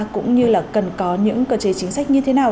cũng như là cần có những cơ chế chính sách như thế nào